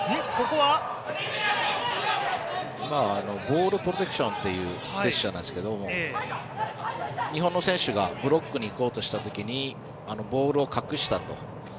ボールポゼッションというジェスチャーなんですけど日本の選手がブロックにいこうとしたときにボールを隠したと。